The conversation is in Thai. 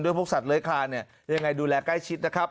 ด้วยพวกสัตว์เลยค่ะยังไงดูแลใกล้ชิดนะครับ